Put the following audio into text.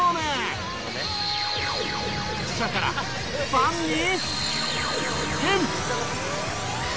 記者からファンに変身！